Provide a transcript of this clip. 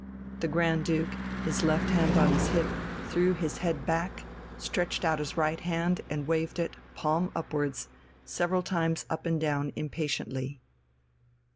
The Grand Duke, his left hand on his hip, threw his head back, stretched out his right hand and waved it, palm upwards, several times up and down impatiently.